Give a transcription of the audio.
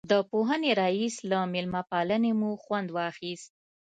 د پوهنې رئیس له مېلمه پالنې مو خوند واخیست.